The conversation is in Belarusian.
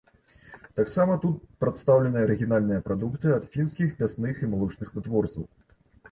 Таксама тут прадстаўлены арыгінальныя прадукты ад фінскіх мясных і малочных вытворцаў.